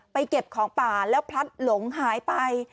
เก็บของป่าแล้วพลัดหลงหายไป